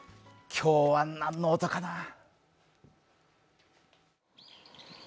今日は何の音かな？